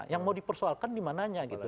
yang mau dipersoalkan dimananya gitu